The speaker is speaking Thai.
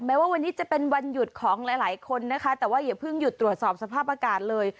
ว่าวันนี้จะเป็นวันหยุดของหลายหลายคนนะคะแต่ว่าอย่าเพิ่งหยุดตรวจสอบสภาพอากาศเลย